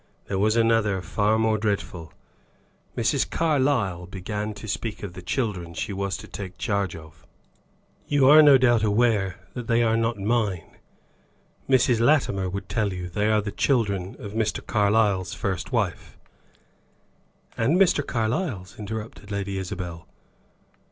There was another far more dreadful. Mrs. Carlyle began to speak of the children she was to take charge of. "You are no doubt aware that they are not mine; Mrs. Latimer would tell you. They are the children of Mr. Carlyle's first wife." "And Mr. Carlyle's," interrupted Lady Isabel.